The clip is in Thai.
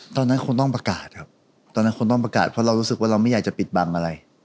ตอนนั้นคงต้องประกาศครับตอนนั้นคงต้องประกาศเพราะเรารู้สึกว่าเราไม่อยากจะปิดบังอะไร